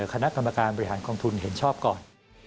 คณะกรรมการบริหารกองทุนเห็นชอบก่อน